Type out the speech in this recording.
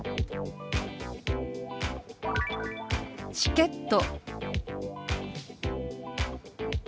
「チケット」。